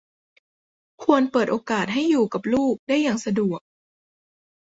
ควรเปิดโอกาสให้อยู่กับลูกได้อย่างสะดวก